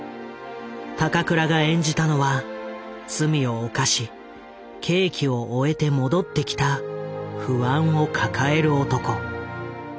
高倉が演じたのは罪を犯し刑期を終えて戻ってきた不安を抱える男。